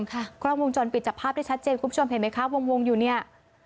กล้องวงจรปิดจับภาพได้ชัดเจนคุณผู้ชมเห็นไหมคะวงอยู่เนี่ย